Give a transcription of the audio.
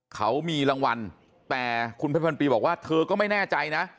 เขามีรางวัลแต่คุณเพชรพันปีบอกว่าเธอก็ไม่แน่ใจนะ